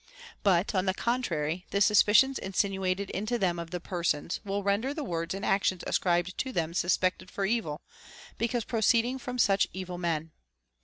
But, on the contrary, the suspicions in sinuated into them of the persons will render the words and actions ascribed to them suspected for evil, because proceeding from such evil men.